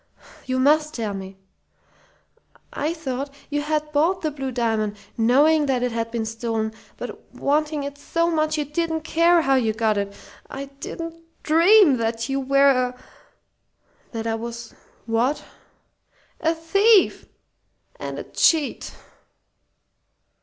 "You must tell me!" "I thought you had bought the blue diamond, knowing it had been stolen, but wanting it so much you didn't care how you got it. I didn't dream that you were a " "That I was what?" "A thief and a cheat!"